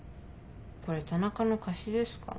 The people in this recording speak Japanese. これ田中の貸しですか？